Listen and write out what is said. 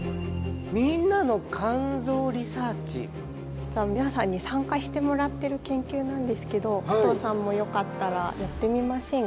実は皆さんに参加してもらってる研究なんですけど加藤さんもよかったらやってみませんか？